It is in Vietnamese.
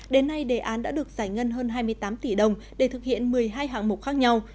đến nay đề án đã được giải ngân hơn hai mươi tám tỷ đồng để thực hiện một mươi hai hạng mục khác nhau